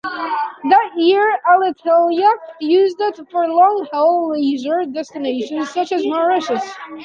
That year Alitalia used it for long-haul leisure destinations such as Mauritius.